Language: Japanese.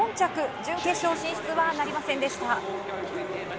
準決勝進出はなりませんでした。